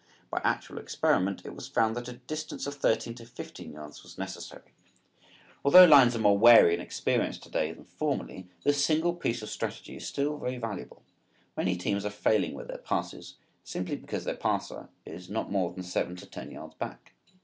By actual experiment it was found that a distance of thirteen to fifteen yards was necessary. Although lines are more wary and experienced today than formerly, this single piece of strategy is still very valuable. Many teams are failing with their passes simply because their passer is not more than seven to ten yards back.